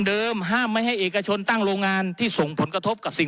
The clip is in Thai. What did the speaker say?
ห้ามไม่ให้เอกชนตั้งโรงงานที่ส่งผลกระทบกับสิ่ง